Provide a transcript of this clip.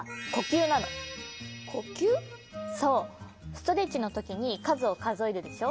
ストレッチのときにかずをかぞえるでしょ？